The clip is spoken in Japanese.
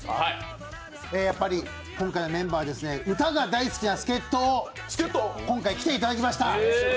やっぱり今回、メンバー歌が大好きな助っ人に今回、来ていただきました。